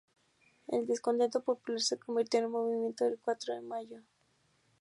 El descontento popular se convirtió en el Movimiento del Cuatro de Mayo.